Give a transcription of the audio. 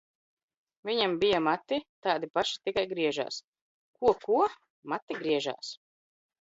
-Viņam bija mati tādi paši, tikai griežās. -Ko, ko? -Mati griežās.